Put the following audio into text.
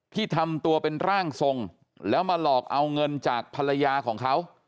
ทำตัวเป็นร่างทรงแล้วมาหลอกเอาเงินจากภรรยาของเขา